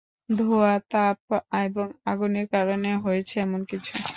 ধোয়া, তাপ এবং আগুনের কারণে হয়েছে এমন কিছু।